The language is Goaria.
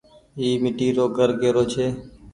اي ميٽي رو گهر ڪي رو ڇي۔